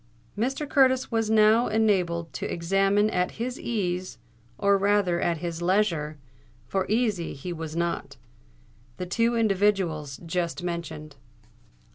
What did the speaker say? Mr. Curtis was now enabled to examine at his ease—or rather at his leisure, for easy he was not—the two individuals just mentioned.